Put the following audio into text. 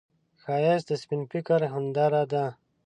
ښایست د سپين فکر هنداره ده